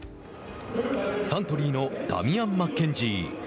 サントリーのダミアン・マッケンジー。